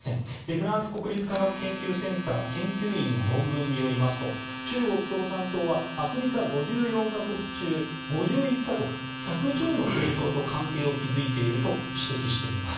フランス国立科学研究センター研究員の論文によりますと中国共産党はアフリカ５４か国中５１か国１１０の政党と関係を築いていると指摘しています。